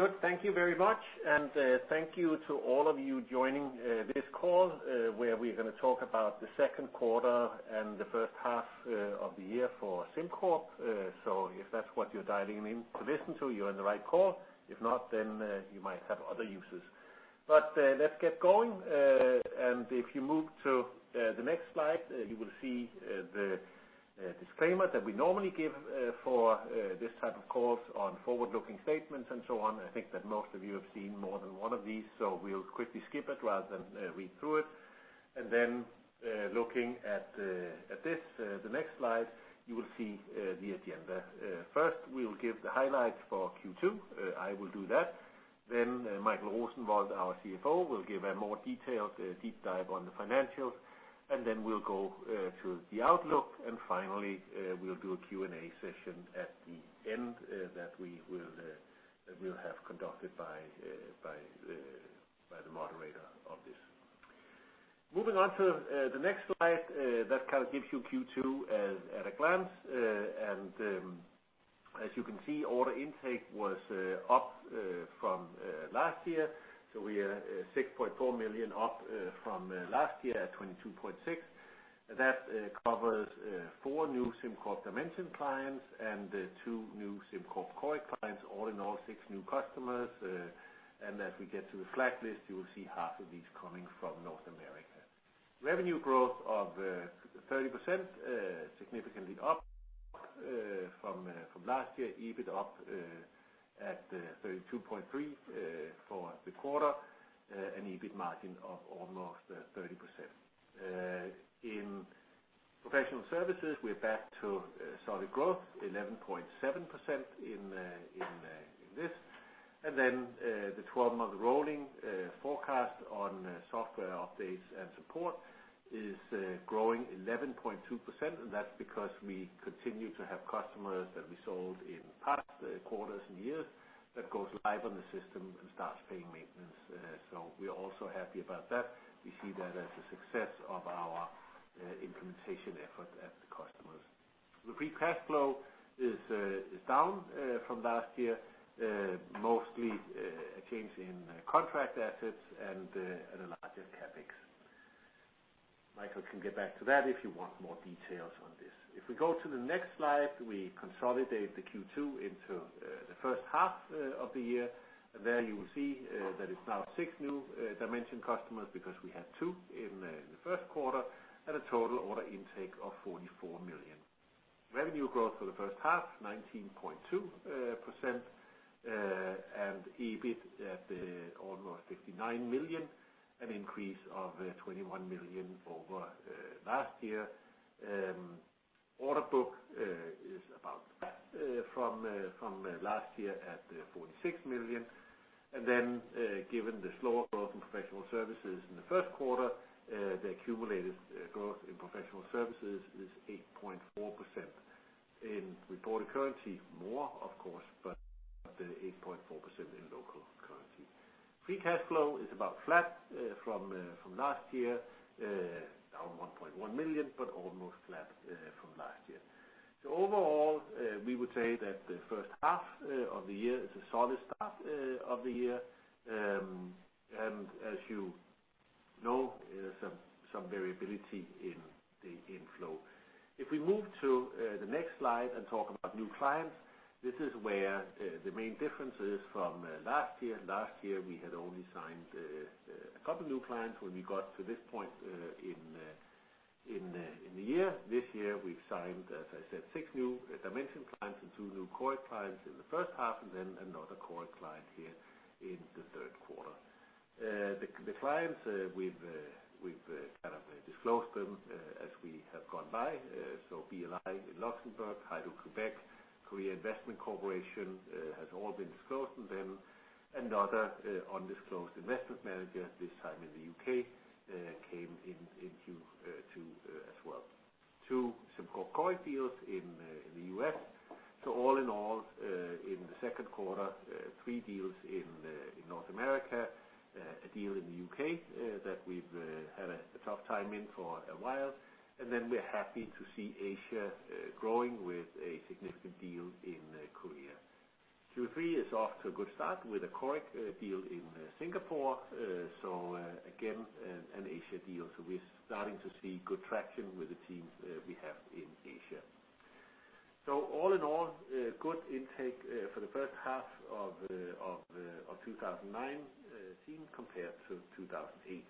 Very good. Thank you very much, and thank you to all of you joining this call, where we're going to talk about the second quarter and the first half of the year for SimCorp. If that's what you're dialing in to listen to, you're on the right call. If not, you might have other uses. Let's get going. If you move to the next slide, you will see the disclaimer that we normally give for this type of calls on forward-looking statements and so on. I think that most of you have seen more than one of these, so we'll quickly skip it rather than read through it. Looking at this, the next slide, you will see the agenda. First, we'll give the highlights for Q2. I will do that. Michael Rosenvold, our CFO, will give a more detailed deep dive on the financials, and then we'll go to the outlook. Finally, we'll do a Q&A session at the end that we will have conducted by the moderator of this. Moving on to the next slide, that gives you Q2 at a glance. As you can see, order intake was up from last year, so we are 6.4 million up from last year at 22.6 million. That covers four new SimCorp Dimension clients and two new SimCorp Coric clients. All in all, six new customers. As we get to the flag list, you will see half of these coming from North America. Revenue growth of 30%, significantly up from last year. EBIT up at 32.3 million for the quarter, an EBIT margin of almost 30%. In professional services, we're back to solid growth, 11.7% in this. The 12-month rolling forecast on software updates and support is growing 11.2%, and that's because we continue to have customers that we sold in past quarters and years that goes live on the system and starts paying maintenance. We're also happy about that. We see that as a success of our implementation effort at the customers. The free cash flow is down from last year, mostly a change in contract assets and a larger CapEx. Michael can get back to that if you want more details on this. If we go to the next slide, we consolidate the Q2 into the first half of the year. There you will see that it's now six new Dimension customers because we had two in the first quarter, at a total order intake of 44 million. Revenue growth for the first half, 19.2%, EBIT at almost 59 million, an increase of 21 million over last year. Order book is about flat from last year at 46 million. Given the slower growth in professional services in the first quarter, the accumulated growth in professional services is 8.4%, in reported currency more, of course, but 8.4% in local currency. Free cash flow is about flat from last year, down 1.1 million, but almost flat from last year. Overall, we would say that the first half of the year is a solid start of the year. As you know, there's some variability in flow. We move to the next slide and talk about new clients, this is where the main difference is from last year. Last year, we had only signed a couple of new clients when we got to this point in the year. This year, we've signed, as I said, six new Dimension clients and two new Coric clients in the first half, and then another Coric client here in the third quarter. The clients, we've disclosed them as we have gone by. BLI in Luxembourg, Hydro-Québec, Korea Investment Corporation, has all been disclosed, and then another undisclosed investment manager, this time in the U.K., came in Q2 as well. Two SimCorp Coric deals in the U.S. All in all, in the second quarter, three deals in North America, a deal in the U.K. that we've had a tough time in for a while, and then we're happy to see Asia growing with a significant deal in Korea. Q3 is off to a good start with a Coric deal in Singapore. Again, an Asia deal. We're starting to see good traction with the teams we have in Asia. All in all, good intake for the first half of 2019 compared to 2018.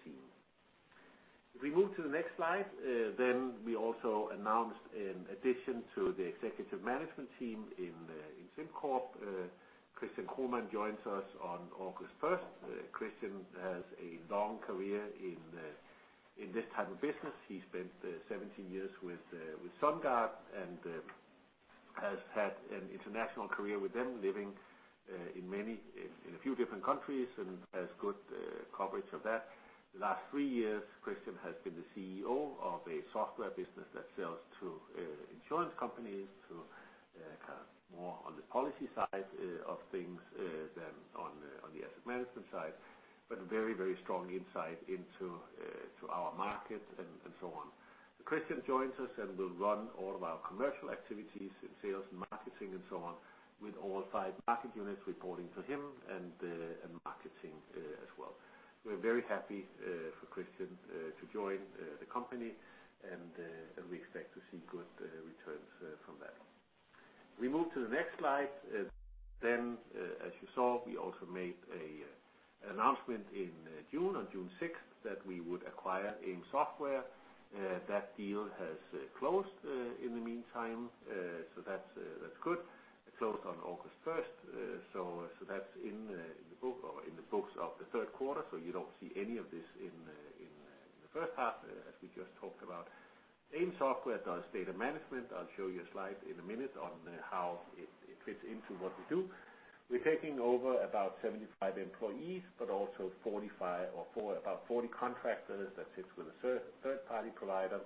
If we move to the next slide, then we also announced an addition to the executive management team in SimCorp. Christian Kromann joins us on August 1st. Christian has a long career in this type of business. He spent 17 years with SunGard and has had an international career with them, living in a few different countries and has good coverage of that. The last three years, Christian has been the CEO of a software business that sells to insurance companies to more on the policy side of things than on management side, but very strong insight into our market and so on. Christian joins us and will run all of our commercial activities in sales and marketing and so on with all five package units reporting to him and marketing as well. We're very happy for Christian to join the company, and we expect to see good returns from that. We move to the next slide. As you saw, we also made an announcement on June 6th that we would acquire AIM Software. That deal has closed in the meantime, so that's good. It closed on August 1st, so that's in the books of the third quarter. You don't see any of this in the first half, as we just talked about. AIM Software does data management. I'll show you a slide in a minute on how it fits into what we do. We're taking over about 75 employees, but also 40 contractors that sits with a third-party provider,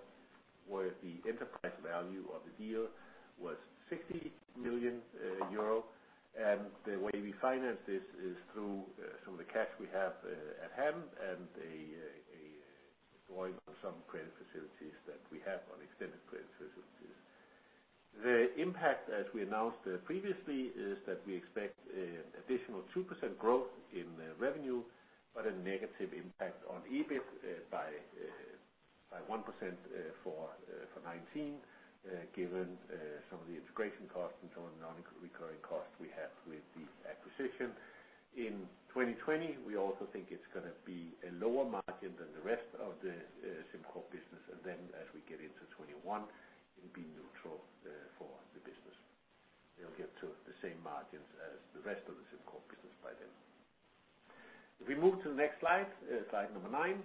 where the enterprise value of the deal was 60 million euro. The way we finance this is through some of the cash we have at hand and drawing on some credit facilities that we have on extended credit facilities. The impact, as we announced previously, is that we expect additional 2% growth in revenue, but a negative impact on EBIT by 1% for 2019, given some of the integration costs and some of the non-recurring costs we have with the acquisition. In 2020, we also think it's going to be a lower margin than the rest of the SimCorp business, and then as we get into 2021, it'll be neutral for the business. They'll get to the same margins as the rest of the SimCorp business by then. We move to the next slide number nine,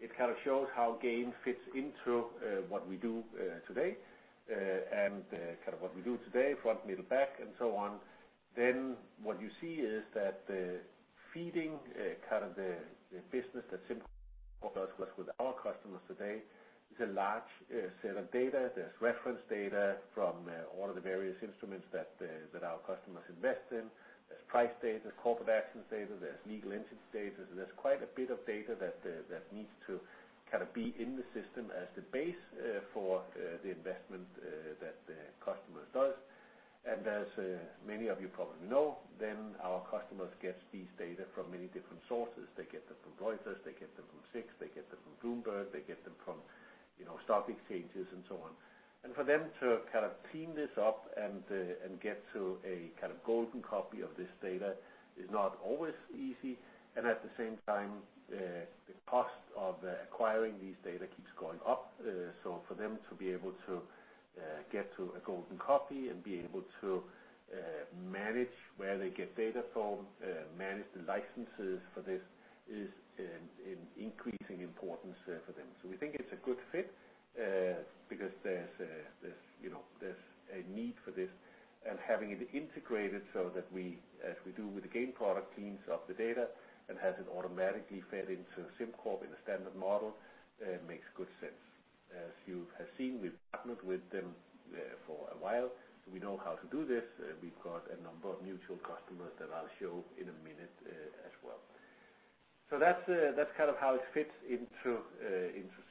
it kind of shows how Gain fits into what we do today and kind of what we do today, front, middle, back, and so on. What you see is that the feeding kind of the business that SimCorp does with our customers today is a large set of data. There's reference data from all of the various instruments that our customers invest in. There's price data, there's corporate actions data, there's legal entity data. There's quite a bit of data that needs to be in the system as the base for the investment that the customer does. As many of you probably know, then our customers get these data from many different sources. They get them from Reuters, they get them from SIX, they get them from Bloomberg, they get them from stock exchanges and so on. For them to kind of clean this up and get to a kind of golden copy of this data is not always easy. At the same time, the cost of acquiring these data keeps going up. For them to be able to get to a golden copy and be able to manage where they get data from, manage the licenses for this is increasing importance for them. We think it's a good fit because there's a need for this and having it integrated so that as we do with the Gain product, cleans up the data and has it automatically fed into SimCorp in a standard model, makes good sense. As you have seen, we've partnered with them for a while, so we know how to do this. We've got a number of mutual customers that I'll show in a minute as well. That's kind of how it fits into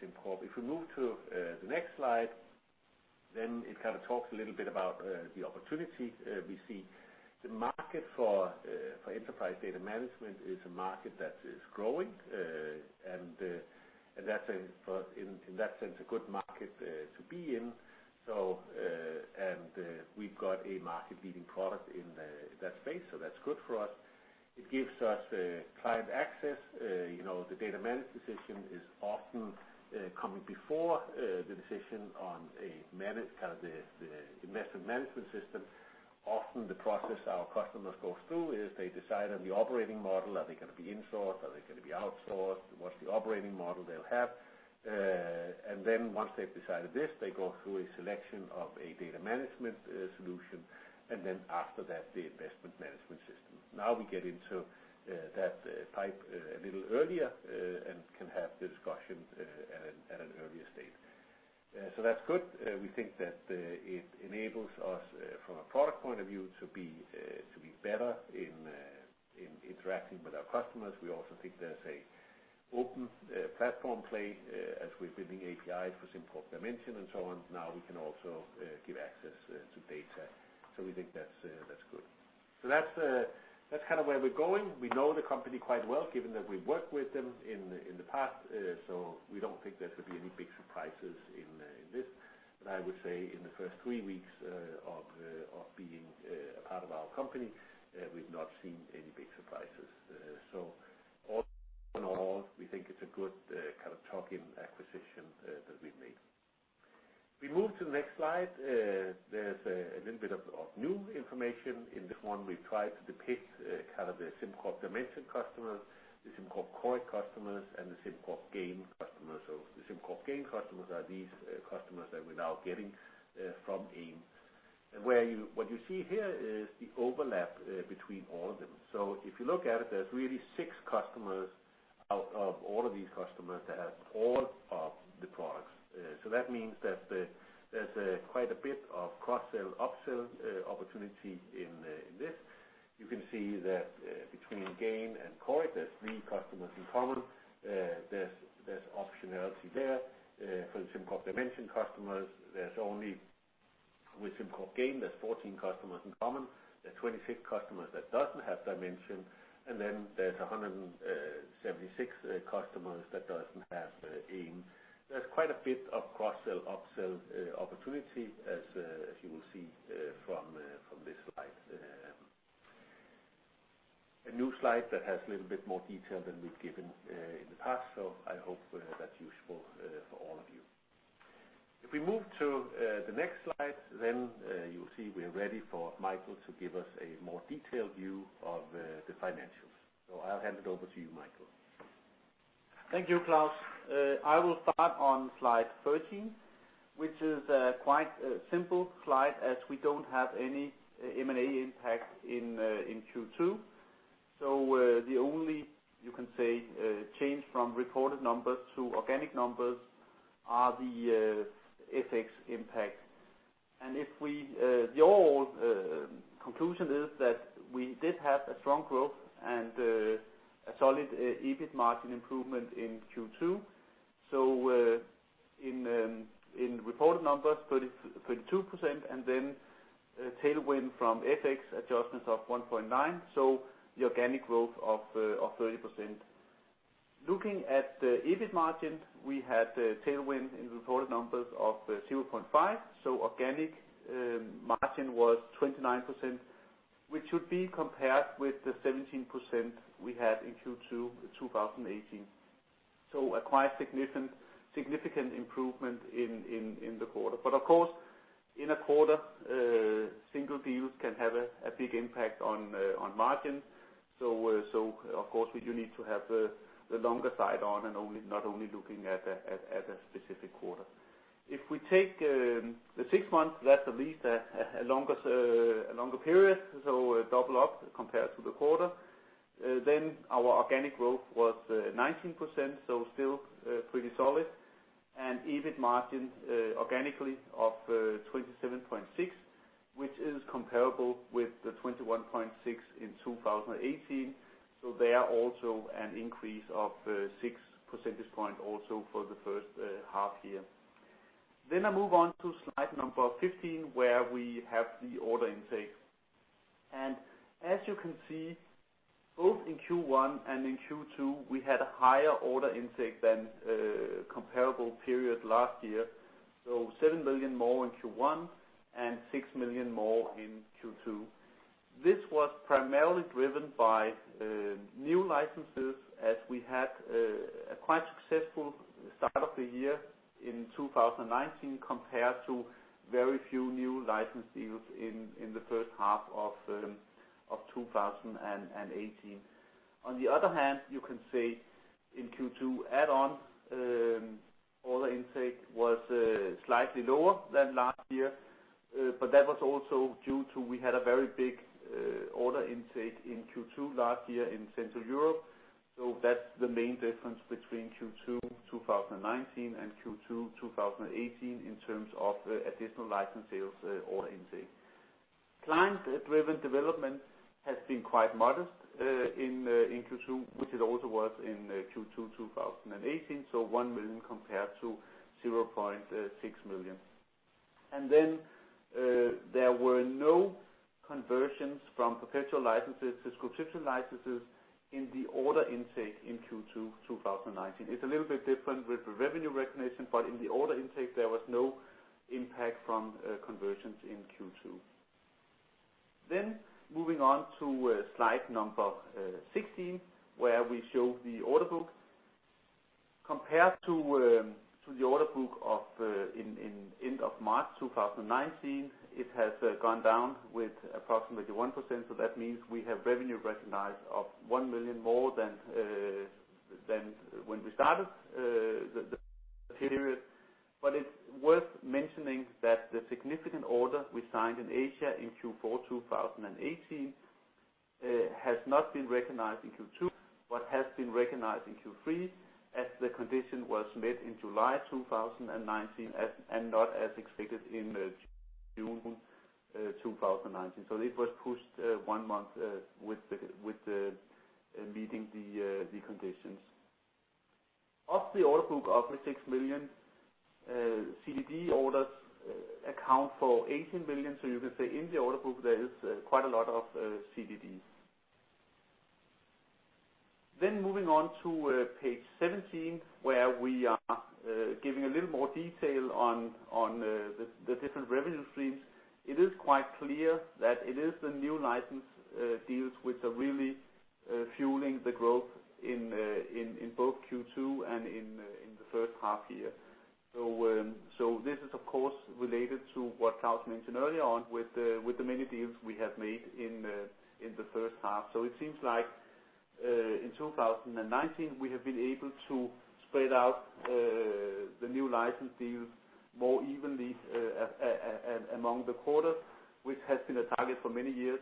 SimCorp. If we move to the next slide, then it kind of talks a little bit about the opportunity we see. The market for enterprise data management is a market that is growing, and in that sense, a good market to be in. We've got a market-leading product in that space, so that's good for us. It gives us client access. The data management decision is often coming before the decision on the investment management system. Often the process our customers go through is they decide on the operating model. Are they going to be in-sourced? Are they going to be outsourced? What's the operating model they'll have? Once they've decided this, they go through a selection of a data management solution, and then after that, the investment management system. We get into that pipe a little earlier and can have the discussion at an earlier stage. That's good. We think that it enables us from a product point of view to be better in interacting with our customers. We also think there's an open platform play as we're building APIs for SimCorp Dimension and so on. We can also give access to data. We think that's good. That's kind of where we're going. We know the company quite well, given that we've worked with them in the past. We don't think there should be any big surprises in this. I would say in the first three weeks of being a part of our company, we've not seen any big surprises. All in all, we think it's a good kind of talking acquisition that we've made. If we move to the next slide, there's a little bit of new information. In this one, we've tried to depict kind of the SimCorp Dimension customers, the SimCorp Coric customers, and the SimCorp Gain customers. The SimCorp Gain customers are these customers that we're now getting from AIM, and what you see here is the overlap between all of them. If you look at it, there's really six customers out of all of these customers that have all of the products. That means that there's quite a bit of cross-sell, up-sell opportunity in this. You can see that between Gain and Coric, there's three customers in common. There's optionality there. For the SimCorp Dimension customers, with SimCorp Gain, there's 14 customers in common. There's 26 customers that doesn't have Dimension. There's 176 customers that doesn't have AIM. There's quite a bit of cross-sell, up-sell opportunity, as you will see from this slide. A new slide that has a little bit more detail than we've given in the past. I hope that's useful for all of you. If we move to the next slide, then you will see we're ready for Michael to give us a more detailed view of the financials. I'll hand it over to you, Michael. Thank you, Klaus. I will start on slide 13, which is quite a simple slide as we don't have any M&A impact in Q2. The only, you can say, change from reported numbers to organic numbers are the FX impact. The overall conclusion is that we did have a strong growth and a solid EBIT margin improvement in Q2. In reported numbers, 32%, and then a tailwind from FX adjustments of 1.9%. The organic growth of 30%. Looking at the EBIT margin, we had a tailwind in reported numbers of 0.5%. Organic margin was 29%, which should be compared with the 17% we had in Q2 2018. A quite significant improvement in the quarter. Of course, in a quarter, single deals can have a big impact on margins. Of course, you need to have the longer side on and not only looking at a specific quarter. If we take the six months, that's at least a longer period, so double up compared to the quarter. Our organic growth was 19%, so still pretty solid. EBIT margins organically of 27.6%, which is comparable with the 21.6% in 2018. There also an increase of six percentage points also for the first half year. I move on to slide number 15, where we have the order intake. As you can see, both in Q1 and in Q2, we had a higher order intake than comparable period last year. 7 million more in Q1 and 6 million more in Q2. This was primarily driven by new licenses as we had a quite successful start of the year in 2019 compared to very few new license deals in the first half of 2018. You can say in Q2 add-on, order intake was slightly lower than last year. That was also due to we had a very big order intake in Q2 last year in Central Europe. That's the main difference between Q2 2019 and Q2 2018 in terms of additional license sales order intake. Client-driven development has been quite modest in Q2, which it also was in Q2 2018. 1 million compared to 0.6 million. There were no conversions from perpetual licenses to subscription licenses in the order intake in Q2 2019. It's a little bit different with the revenue recognition, but in the order intake, there was no impact from conversions in Q2. Moving on to slide number 16, where we show the order book. Compared to the order book in end of March 2019, it has gone down with approximately 1%. That means we have revenue recognized of 1 million more than when we started the period. It's worth mentioning that the significant order we signed in Asia in Q4 2018 has not been recognized in Q2 but has been recognized in Q3, as the condition was met in July 2019 and not as expected in June 2019. It was pushed one month with meeting the conditions. Of the order book of 6 million, CDD orders account for 18 million. You can say in the order book, there is quite a lot of CDDs. Moving on to page 17, where we are giving a little more detail on the different revenue streams. It is quite clear that it is the new license deals which are really fueling the growth in both Q2 and in the first half year. This is, of course, related to what Klaus mentioned earlier on with the many deals we have made in the first half. It seems like in 2019, we have been able to spread out the new license deals more evenly among the quarters, which has been a target for many years.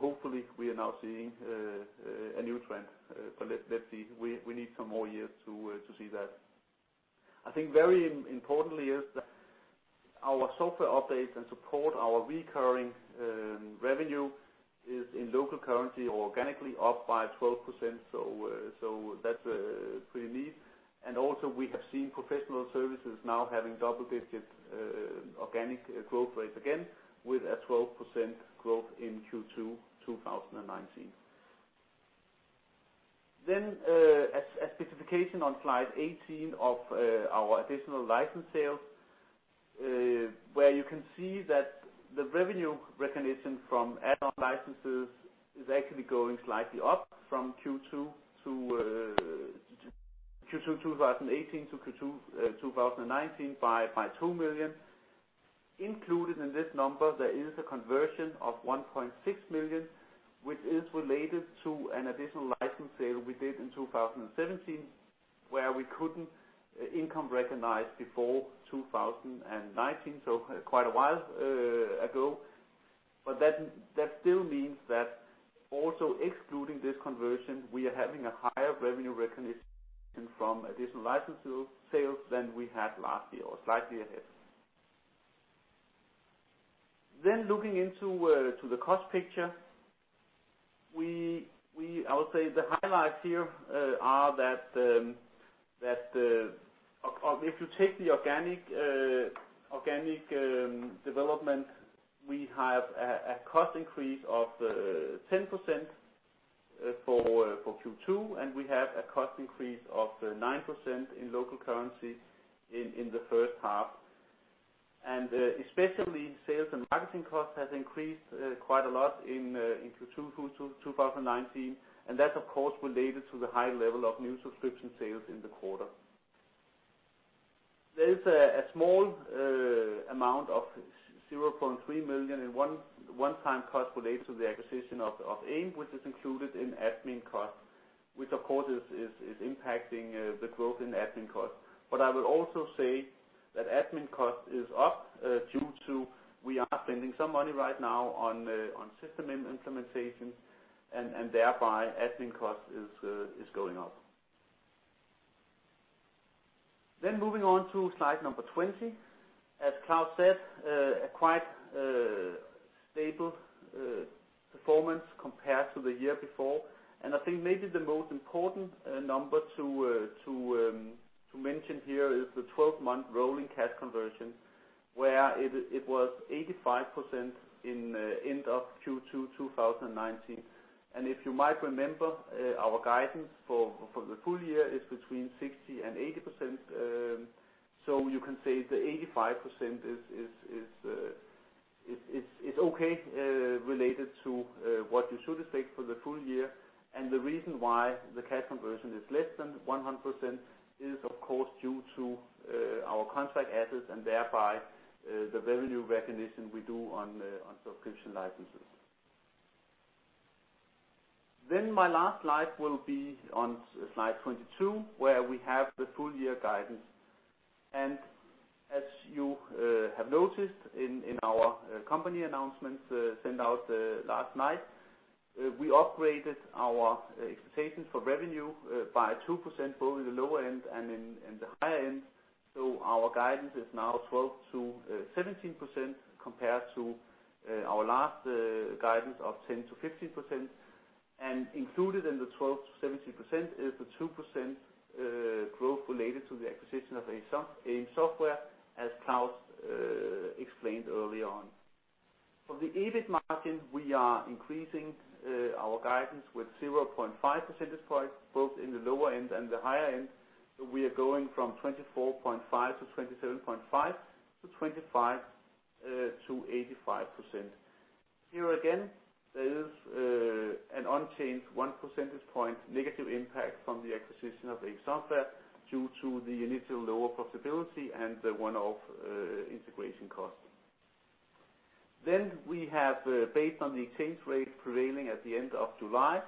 Hopefully, we are now seeing a new trend. Let's see. We need some more years to see that. I think very importantly is that our software updates and support, our recurring revenue, is in local currency, organically up by 12%, so that's pretty neat. Also, we have seen professional services now having double-digit organic growth rates again, with a 12% growth in Q2 2019. A specification on slide 18 of our additional license sales, where you can see that the revenue recognition from add-on licenses is actually going slightly up from Q2 2018 to Q2 2019 by 2 million. Included in this number, there is a conversion of 1.6 million, which is related to an additional license sale we did in 2017, where we couldn't income recognize before 2019, so quite a while ago. That still means that also excluding this conversion, we are having a higher revenue recognition from additional license sales than we had last year, or slightly ahead. Looking into the cost picture, I will say the highlights here are that if you take the organic development, we have a cost increase of 10% for Q2, and we have a cost increase of 9% in local currency in the first half. Especially sales and marketing costs has increased quite a lot in Q2 2019, and that's of course related to the high level of new subscription sales in the quarter. There is a small amount of 0.3 million in one-time cost related to the acquisition of AIM, which is included in admin cost, which of course is impacting the growth in admin cost. I will also say that admin cost is up due to we are spending some money right now on system implementation, and thereby admin cost is going up. Moving on to slide number 20. As Klaus said, a quite stable performance compared to the year before. I think maybe the most important number to mention here is the 12-month rolling cash conversion, where it was 85% in end of Q2 2019. If you might remember, our guidance for the full year is between 60% and 80%, so you can say the 85% is okay related to what you should expect for the full year. The reason why the cash conversion is less than 100% is of course due to our contract assets and thereby the revenue recognition we do on subscription licenses. My last slide will be on slide 22, where we have the full year guidance. As you have noticed in our company announcements sent out last night, we upgraded our expectations for revenue by 2%, both in the lower end and in the higher end. Our guidance is now 12%-17% compared to our last guidance of 10%-15%. Included in the 12%-17% is the 2% growth related to the acquisition of AIM Software, as Klaus explained early on. For the EBIT margin, we are increasing our guidance with 0.5 percentage points, both in the lower end and the higher end. We are going from 24.5%-27.5% to 25%-28%. Here again, there is an unchanged 1 percentage point negative impact from the acquisition of AIM Software due to the initial lower profitability and the one-off integration cost. We have, based on the exchange rate prevailing at the end of July,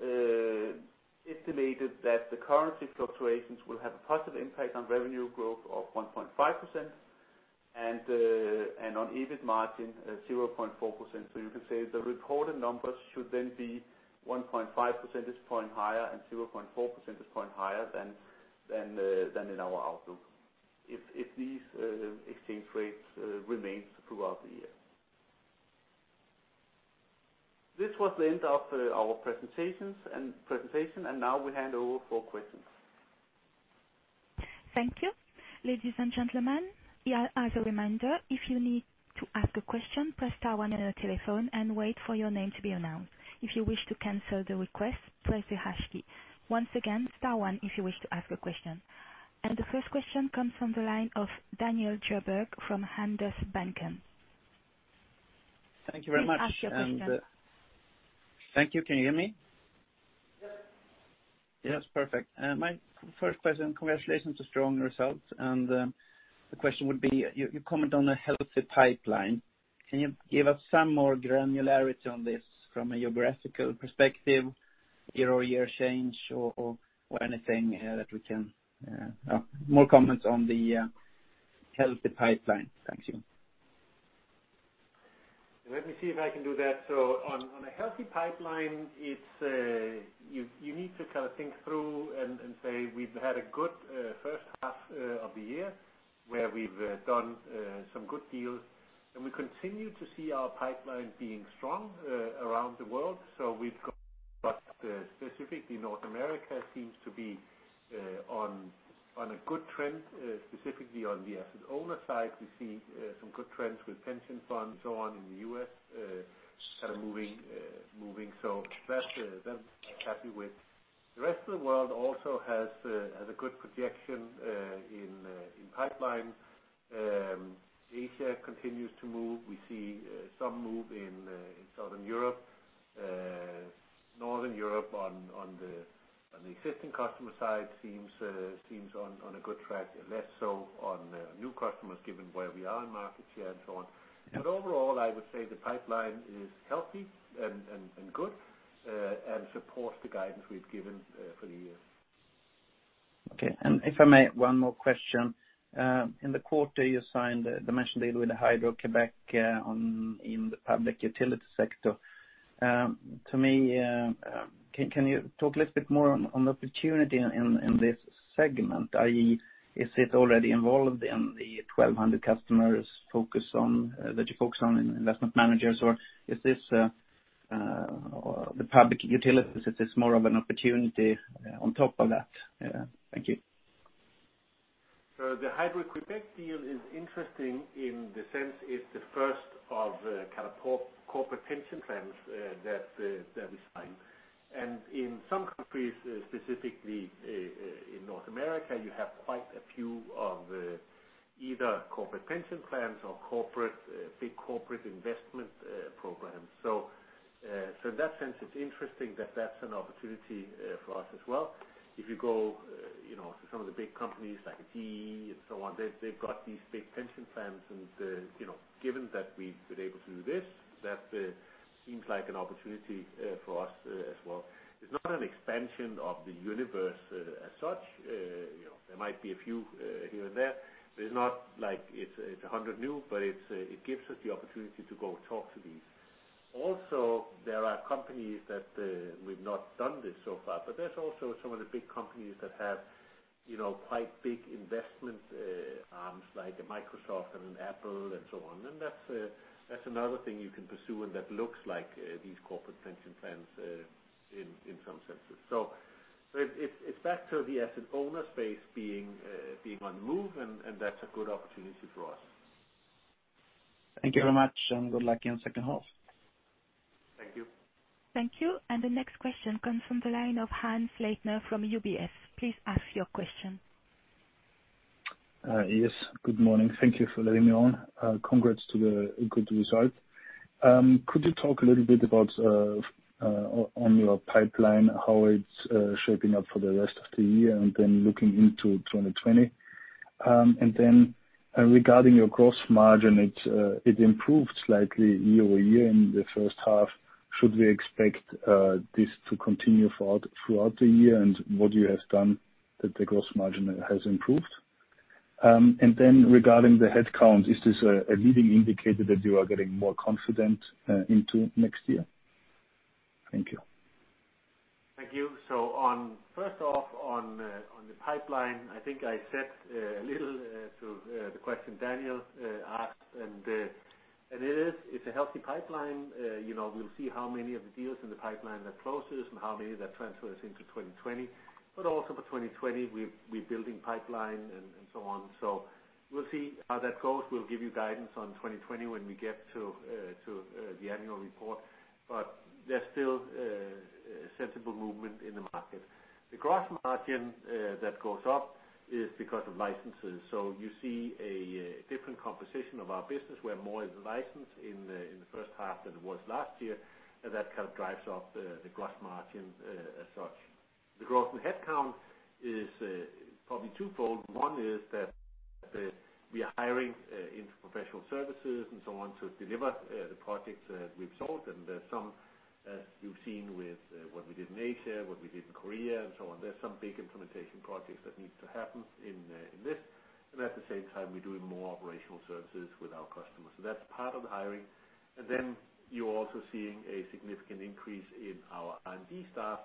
estimated that the currency fluctuations will have a positive impact on revenue growth of 1.5% and on EBIT margin, 0.4%. You can say the reported numbers should then be 1.5 percentage point higher and 0.4 percentage point higher than in our outlook, if these exchange rates remains throughout the year. This was the end of our presentation. Now we hand over for questions. Thank you. Ladies and gentlemen, as a reminder, if you need to ask a question, press star one on your telephone and wait for your name to be announced. If you wish to cancel the request, press the hash key. Once again, star one if you wish to ask a question. The first question comes from the line of Daniel Sjöberg from Handelsbanken. Thank you very much. Please ask your question. Thank you. Can you hear me? Yes. Yes. Perfect. My first question, congratulations to strong results. The question would be, you comment on a healthy pipeline. Can you give us some more granularity on this from a geographical perspective, year-over-year change, or anything that we can? More comments on the healthy pipeline. Thank you. Let me see if I can do that. On a healthy pipeline, you need to think through and say we've had a good first half of the year where we've done some good deals, and we continue to see our pipeline being strong around the world. We've got specifically North America seems to be on a good trend, specifically on the asset owner side. We see some good trends with pension funds and so on in the U.S., moving. That's happy with. The rest of the world also has a good projection in pipeline. Asia continues to move. We see some move in Southern Europe. Northern Europe on the existing customer side seems on a good track, less so on new customers, given where we are in market share and so on. Overall, I would say the pipeline is healthy and good, and supports the guidance we've given for the year. Okay. If I may, one more question. In the quarter, you signed the Dimension deal with Hydro-Québec in the public utility sector. To me, can you talk a little bit more on the opportunity in this segment, i.e., is it already involved in the 1,200 customers that you focus on in investment managers, or is this the public utilities, is this more of an opportunity on top of that? Thank you. The Hydro-Québec deal is interesting in the sense it's the first of corporate pension plans that we signed. In some countries, specifically in North America, you have quite a few of either corporate pension plans or big corporate investment programs. In that sense, it's interesting that that's an opportunity for us as well. If you go to some of the big companies like GE and so on, they've got these big pension plans and given that we've been able to do this, that seems like an opportunity for us as well. It's not an expansion of the universe as such. There might be a few here and there, but it's not like it's 100 new, but it gives us the opportunity to go talk to these. There are companies that we've not done this so far, but there's also some of the big companies that have quite big investment arms like a Microsoft and an Apple and so on. That's another thing you can pursue and that looks like these corporate pension plans in some senses. It's back to the asset owner space being on the move, and that's a good opportunity for us. Thank you very much, and good luck on second half. Thank you. Thank you. The next question comes from the line of Hannes Leitner from UBS. Please ask your question. Yes. Good morning. Thank you for letting me on. Congrats to the good result. Could you talk a little bit about on your pipeline, how it's shaping up for the rest of the year and looking into 2020? Regarding your gross margin, it improved slightly year-over-year in the first half. Should we expect this to continue throughout the year? What you have done that the gross margin has improved? Regarding the headcount, is this a leading indicator that you are getting more confident into next year? Thank you. Thank you. First off on the pipeline, I think I said a little to the question Daniel asked, it's a healthy pipeline. We'll see how many of the deals in the pipeline that closes and how many that transfers into 2020. Also for 2020, we're building pipeline and so on. We'll see how that goes. We'll give you guidance on 2020 when we get to the annual report. There's still a sensible movement in the market. The gross margin that goes up is because of licenses. You see a different composition of our business where more is licensed in the first half than it was last year, that kind of drives up the gross margins as such. The growth in headcount is probably twofold. One is that we are hiring into professional services and so on to deliver the projects that we've sold, and there's some, as you've seen with what we did in Asia, what we did in Korea and so on. There's some big implementation projects that needs to happen in this. At the same time, we're doing more operational services with our customers. That's part of the hiring. Then you're also seeing a significant increase in our R&D staff,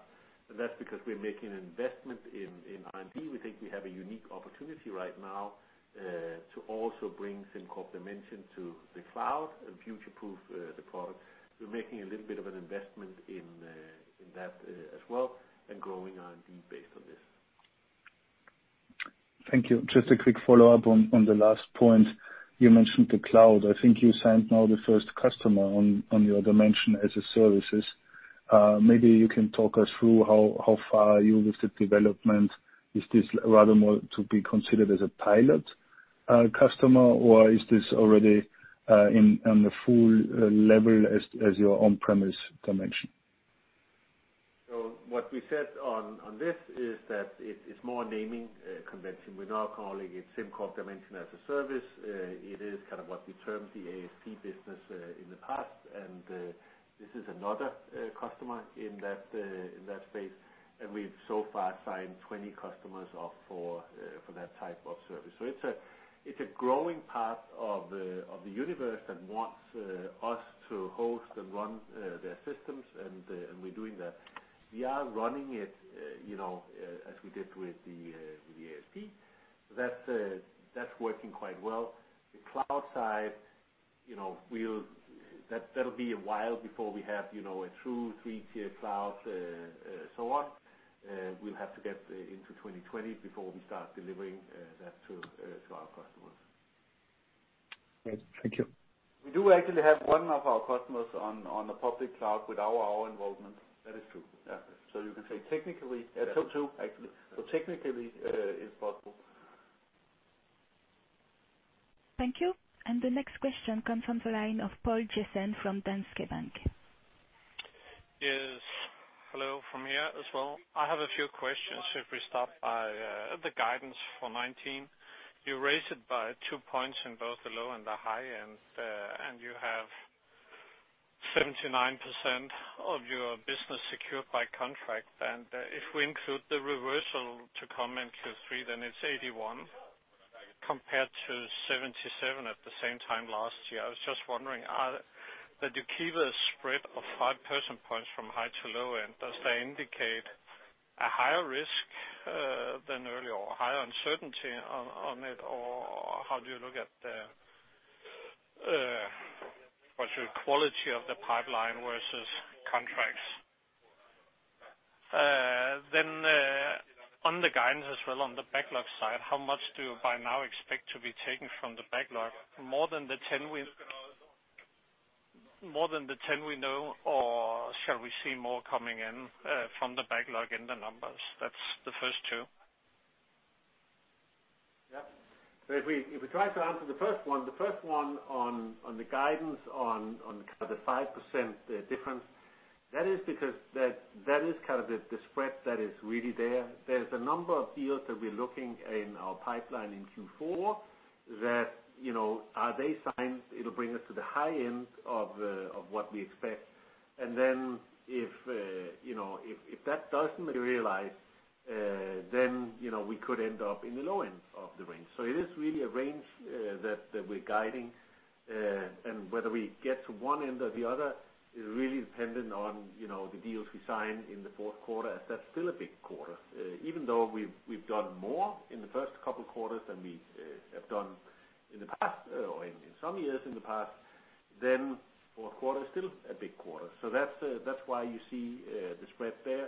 and that's because we're making an investment in R&D. We think we have a unique opportunity right now to also bring SimCorp Dimension to the cloud and future-proof the product. We're making a little bit of an investment in that as well and growing R&D based on this. Thank you. Just a quick follow-up on the last point. You mentioned the cloud. I think you signed now the first customer on your Dimension as a Service. Maybe you can talk us through how far are you with the development? Is this rather more to be considered as a pilot customer, or is this already on the full level as your on-premise Dimension? What we said on this is that it's more naming convention. We're now calling it SimCorp Dimension as a Service. It is what we termed the ASP business in the past, and this is another customer in that space, and we've so far signed 20 customers up for that type of service. It's a growing part of the universe that wants us to host and run their systems, and we're doing that. We are running it, as we did with the ASP. That's working quite well. The cloud side, that'll be a while before we have a true 3-tier cloud, and so on. We'll have to get into 2020 before we start delivering that to our customers. Great. Thank you. We do actually have one of our customers on the public cloud without our involvement. That is true. Yeah. You can say technically. Two, actually. Technically, it's possible. Thank you. The next question comes from the line of Poul Jessen from Danske Bank. Yes. Hello from here as well. I have a few questions. Should we start by the guidance for 2019? You raised it by two points in both the low and the high end, and you have 79% of your business secured by contract. If we include the reversal to come in Q3, then it's 81% compared to 77% at the same time last year. I was just wondering, that you keep a spread of five percent points from high to low end, does that indicate a higher risk than earlier, or higher uncertainty on it? How do you look at what's your quality of the pipeline versus contracts? On the guidance as well, on the backlog side, how much do you by now expect to be taken from the backlog? More than the 10 we know, or shall we see more coming in from the backlog in the numbers? That's the first two. Yeah. If we try to answer the first one on the guidance on the 5% difference, that is because that is the spread that is really there. There is a number of deals that we are looking in our pipeline in Q4 that, are they signed? It will bring us to the high end of what we expect. If that does not materialize, then we could end up in the low end of the range. It is really a range that we are guiding. Whether we get to one end or the other is really dependent on the deals we sign in the fourth quarter, as that is still a big quarter. Even though we have done more in the first couple quarters than we have done in the past, or in some years in the past, fourth quarter is still a big quarter. That's why you see the spread there.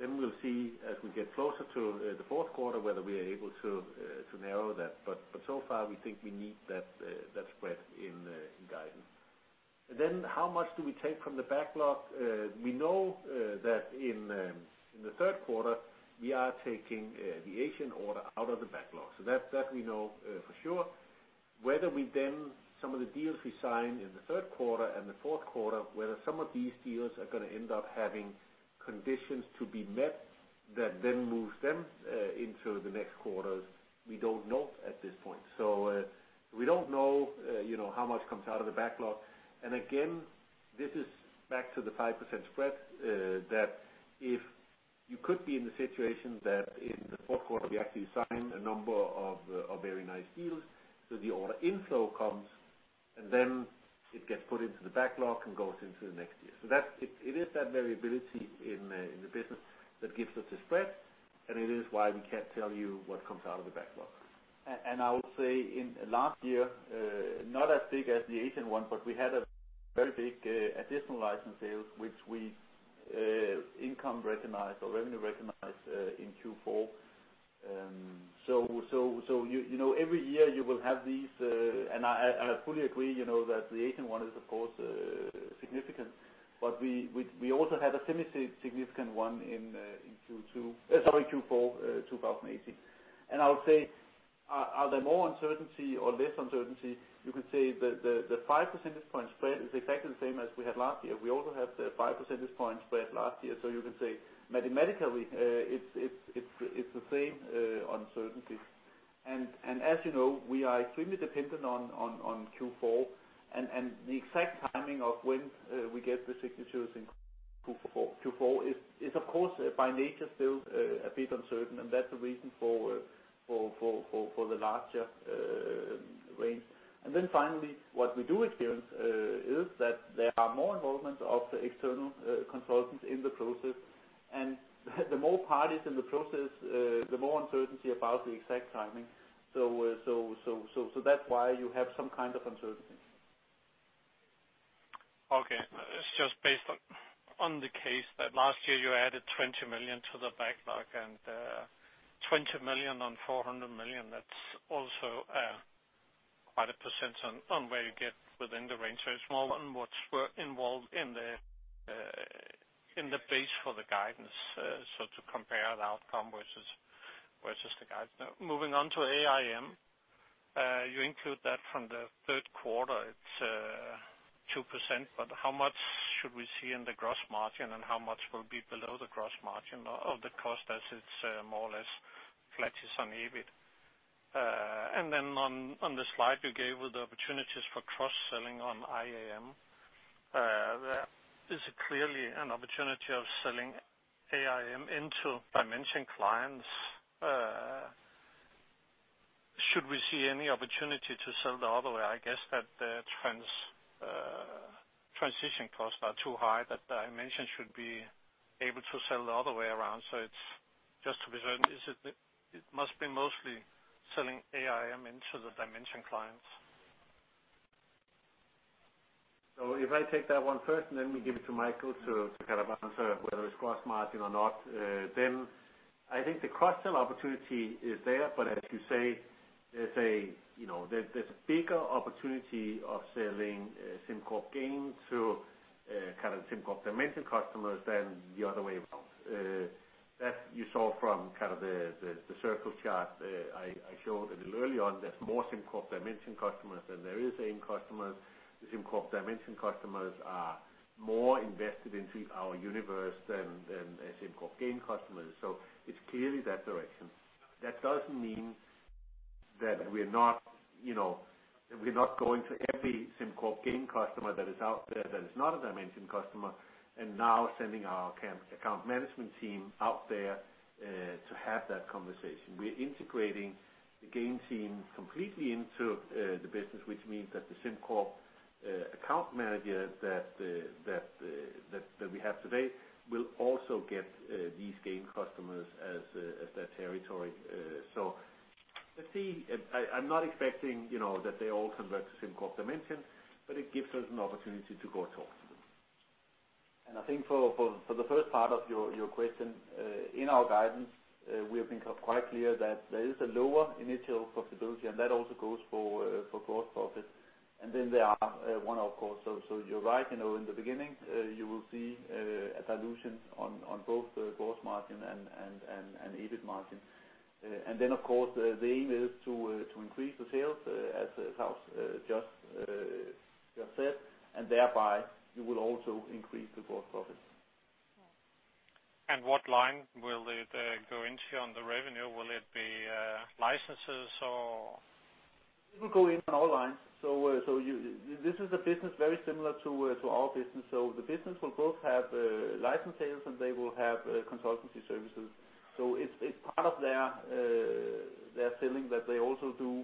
We'll see as we get closer to the fourth quarter, whether we are able to narrow that. So far, we think we need that spread in guidance. How much do we take from the backlog? We know that in the third quarter, we are taking the Asian order out of the backlog. That we know for sure. Whether we then, some of the deals we sign in the third quarter and the fourth quarter, whether some of these deals are going to end up having conditions to be met that then moves them into the next quarters, we don't know at this point. We don't know how much comes out of the backlog. Again, this is back to the 5% spread, that if you could be in the situation that in the fourth quarter, we actually sign a number of very nice deals, so the order inflow comes, and then it gets put into the backlog and goes into the next year. It is that variability in the business that gives us the spread, and it is why we can't tell you what comes out of the backlog. I would say in last year, not as big as the Asian one, but we had a very big additional license sales, which we income recognized or revenue recognized in Q4. Every year you will have these, and I fully agree, that the Asian one is, of course, significant. We also had a semi-significant one in Q4 2018. I would say, are there more uncertainty or less uncertainty? You can say the 5 percentage point spread is exactly the same as we had last year. We also had the 5 percentage point spread last year. You can say mathematically, it's the same uncertainty. As you know, we are extremely dependent on Q4 and the exact timing of when we get the signatures in Q4 is, of course, by nature, still a bit uncertain, and that's the reason for the larger range. Then finally, what we do experience is that there are more involvement of the external consultants in the process. The more parties in the process, the more uncertainty about the exact timing. That's why you have some kind of uncertainty. Okay. It's just based on the case that last year you added 20 million to the backlog and 20 million on 400 million, that's also quite a % on where you get within the range. It's more on what's involved in the base for the guidance. To compare the outcome versus the guidance. Now, moving on to AIM. You include that from the third quarter, it's 2%, but how much should we see in the gross margin and how much will be below the gross margin of the cost as it's more or less flattish on EBIT? On the slide you gave with the opportunities for cross-selling on AIM, there is clearly an opportunity of selling AIM into Dimension clients. Should we see any opportunity to sell the other way? I guess that the transition costs are too high, that Dimension should be able to sell the other way around. Just to be certain, it must be mostly selling AIM into the Dimension clients. If I take that one first, then we give it to Michael to answer whether it's cross-margin or not. I think the cross-sell opportunity is there, but as you say, there's a bigger opportunity of selling SimCorp Gain to SimCorp Dimension customers than the other way around. That you saw from the circle chart I showed a little early on, there's more SimCorp Dimension customers than there is AIM customers. The SimCorp Dimension customers are more invested into our universe than SimCorp Gain customers. It's clearly that direction. That doesn't mean that we're not going to every SimCorp Gain customer that is out there that is not a Dimension customer, and now sending our account management team out there to have that conversation. We're integrating the Gain team completely into the business, which means that the SimCorp account manager that we have today will also get these Gain customers as their territory. I'm not expecting that they all convert to SimCorp Dimension, but it gives us an opportunity to go talk to them. I think for the first part of your question, in our guidance, we have been quite clear that there is a lower initial profitability, and that also goes for gross profit. There are one-off costs. You're right, in the beginning, you will see a dilution on both gross margin and EBIT margin. Of course, the aim is to increase the sales as Klaus just said, and thereby you will also increase the gross profit. What line will it go into on the revenue? Will it be licenses or? It will go in on all lines. This is a business very similar to our business. The business will both have license sales and they will have consultancy services. It's part of their selling that they also do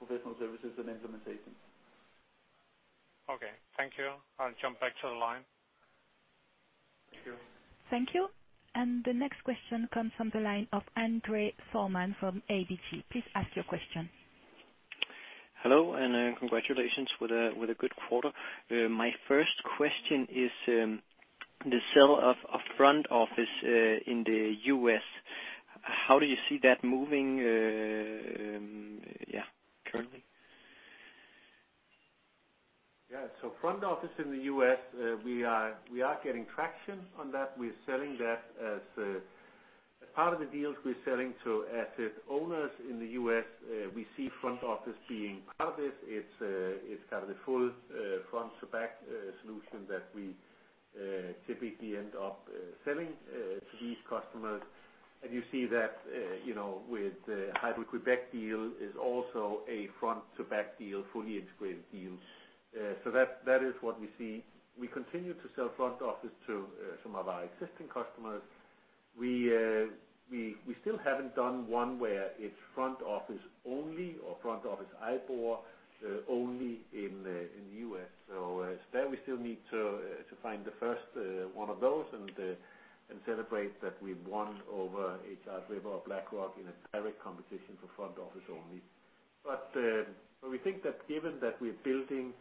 professional services and implementation. Okay. Thank you. I'll jump back to the line. Thank you. Thank you. The next question comes from the line of Andre Thormann from ABG. Please ask your question. Hello, congratulations with a good quarter. My first question is, the sale of Front Office in the U.S., how do you see that moving currently? Yeah. Front Office in the U.S., we are getting traction on that. We're selling that as a part of the deals we're selling to asset owners in the U.S. We see Front Office being part of it. It's the full front to back solution that we typically end up selling to these customers. You see that with the Hydro-Québec deal is also a front to back deal, fully integrated deal. That is what we see. We continue to sell Front Office to some of our existing customers. We still haven't done one where it's Front Office only or Front Office IBOR only in the U.S. There we still need to find the first one of those and celebrate that we've won over Charles River or BlackRock in a direct competition for Front Office only. We think that given that we're building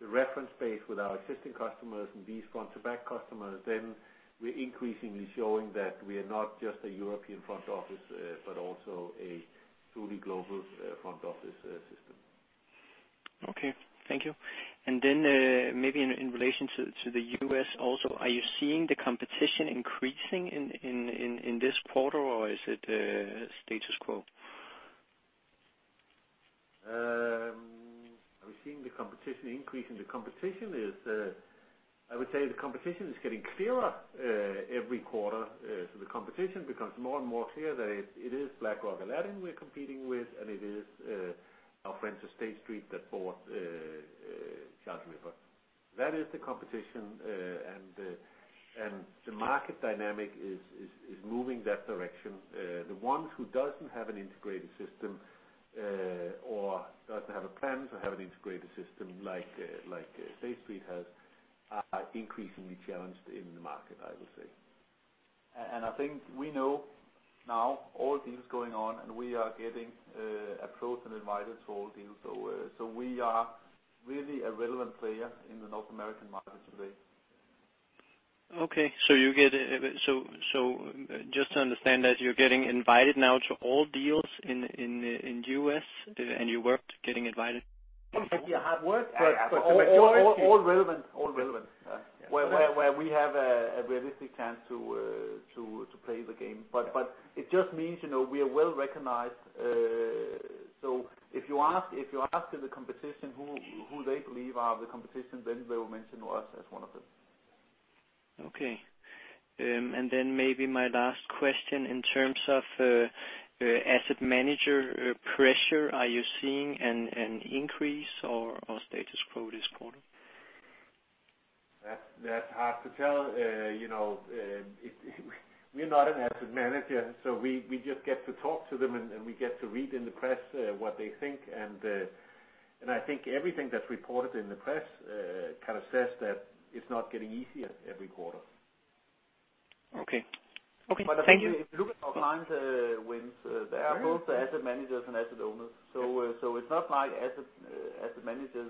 the reference base with our existing customers and these front to back customers, then we're increasingly showing that we are not just a European Front Office, but also a truly global Front Office system. Okay. Thank you. Maybe in relation to the U.S. also, are you seeing the competition increasing in this quarter, or is it status quo? Are we seeing the competition increase? I would say the competition is getting clearer every quarter. The competition becomes more and more clear that it is BlackRock and Aladdin we're competing with, and it is our friends at State Street that bought Charles River. That is the competition, and the market dynamic is moving that direction. The ones who doesn't have an integrated system or doesn't have a plan to have an integrated system like State Street has, are increasingly challenged in the market, I will say. I think we know now all deals going on, and we are getting approached and invited to all deals. We are really a relevant player in the North American market today. Okay. Just to understand that you're getting invited now to all deals in U.S., and you weren't getting invited? Yeah, hard work, all relevant. Where we have a realistic chance to play the game. It just means, we are well-recognized. If you ask the competition who they believe are the competition, they will mention us as one of them. Okay. Maybe my last question in terms of asset manager pressure, are you seeing an increase or status quo this quarter? That's hard to tell. We're not an asset manager, so we just get to talk to them, and we get to read in the press what they think. I think everything that's reported in the press kind of says that it's not getting easier every quarter. Okay. Thank you. If you look at our clients wins, they are both asset managers and asset owners. It's not like asset managers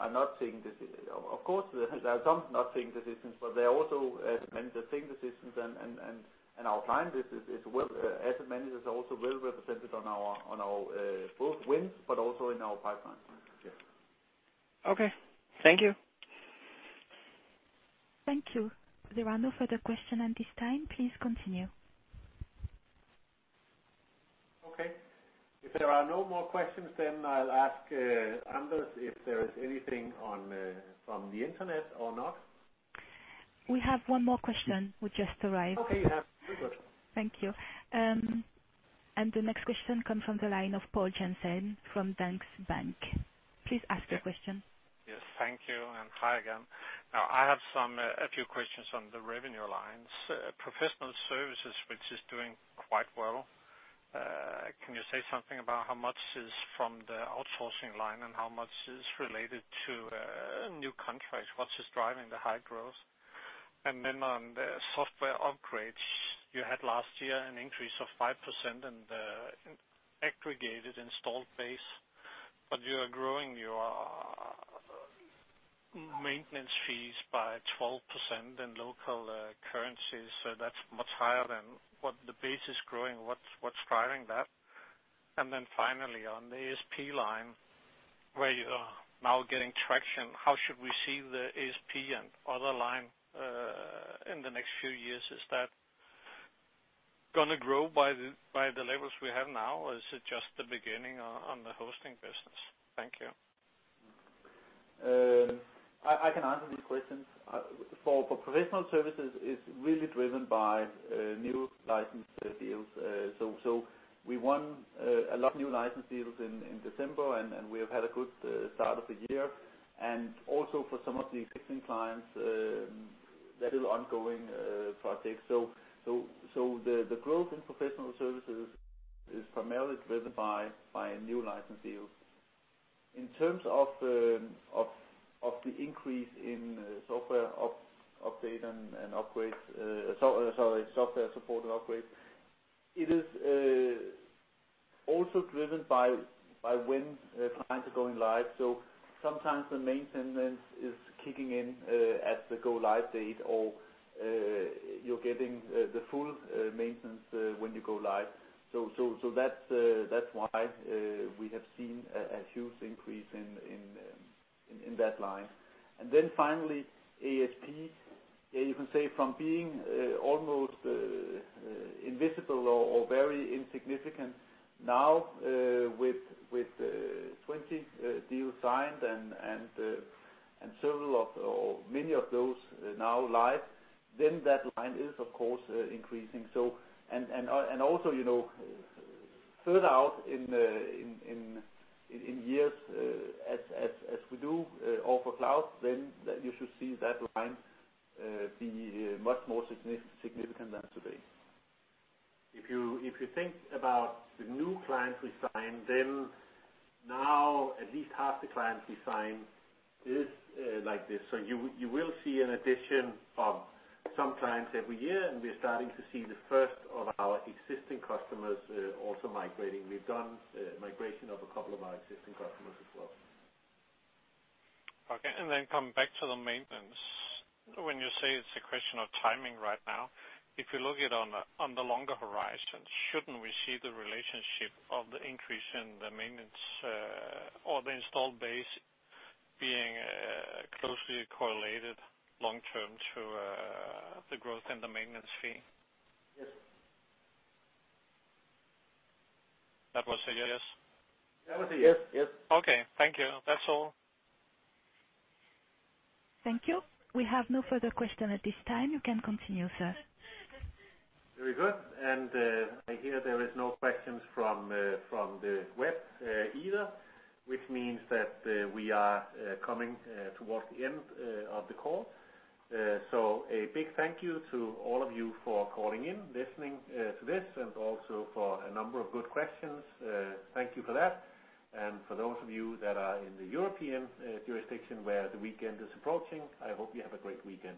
are not taking decisions. Of course, there are some not taking decisions, but there are also asset managers taking decisions. Our client list, asset managers are also well-represented on our both wins, but also in our pipeline. Okay. Thank you. Thank you. There are no further question at this time. Please continue. Okay. If there are no more questions, then I will ask Anders if there is anything from the internet or not. We have one more question which just arrived. Okay. Yeah. Very good. Thank you. The next question comes from the line of Poul Jessen from Danske Bank. Please ask your question. Yes. Thank you, and hi again. Now I have a few questions on the revenue lines. Professional services, which is doing quite well. Can you say something about how much is from the outsourcing line and how much is related to new contracts? What is driving the high growth? On the software upgrades you had last year an increase of 5% in the aggregated installed base, but you are growing your maintenance fees by 12% in local currencies, so that's much higher than what the base is growing. What's driving that? Finally on the ASP line, where you are now getting traction, how should we see the ASP and other line, in the next few years? Is that going to grow by the levels we have now, or is it just the beginning on the hosting business? Thank you. I can answer these questions. For professional services, it's really driven by new license deals. We won a lot of new license deals in December, and we have had a good start of the year and also for some of the existing clients, there's still ongoing projects. The growth in professional services is primarily driven by new license deals. In terms of the increase in software support and upgrades, it is also driven by when clients are going live, so sometimes the maintenance is kicking in at the go-live date or you're getting the full maintenance when you go live. That's why we have seen a huge increase in that line. Finally, ASP, you can say from being almost invisible or very insignificant now, with 20 deals signed and several of, or many of those now live, that line is, of course, increasing. Also, further out in years, as we do offer cloud, you should see that line be much more significant than today. If you think about the new clients we signed, now at least half the clients we sign is like this. You will see an addition of some clients every year, and we're starting to see the first of our existing customers also migrating. We've done migration of a couple of our existing customers as well. Come back to the maintenance. When you say it's a question of timing right now, if you look at on the longer horizon, shouldn't we see the relationship of the increase in the maintenance or the installed base being closely correlated long-term to the growth in the maintenance fee? Yes. That was a yes? That was a yes. Okay. Thank you. That's all. Thank you. We have no further question at this time. You can continue, sir. Very good. I hear there is no questions from the web either, which means that we are coming towards the end of the call. A big thank you to all of you for calling in, listening to this, and also for a number of good questions. Thank you for that. For those of you that are in the European jurisdiction where the weekend is approaching, I hope you have a great weekend.